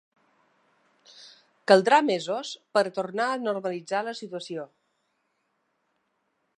Caldrà mesos per a tornar a normalitzar la situació.